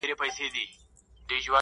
انسان وجدان سره ژوند کوي تل,